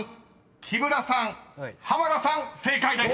［木村さん濱田さん正解です］